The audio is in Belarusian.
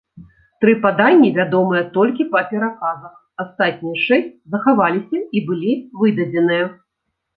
Тры паданні вядомыя толькі па пераказах, астатнія шэсць захаваліся і былі выдадзеныя.